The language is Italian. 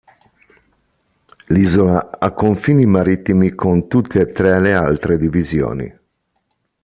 L'isola ha confini marittimi con tutte e tre le altre divisioni.